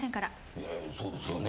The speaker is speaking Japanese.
いやいやそうですよね。